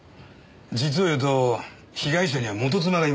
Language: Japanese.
実をいうと被害者には元妻がいましてね。